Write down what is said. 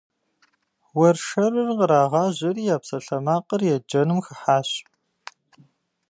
Уэршэрыр кърагъажьэри, я псалъэмакъыр еджэным хыхьащ.